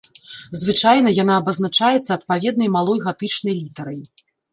Звычайна яна абазначаецца адпаведнай малой гатычнай літарай.